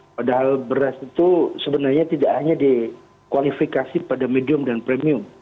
padahal beras itu sebenarnya tidak hanya dikualifikasi pada medium dan premium